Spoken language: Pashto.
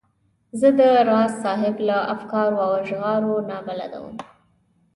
زه د راز صاحب له افکارو او اشعارو نا بلده وم.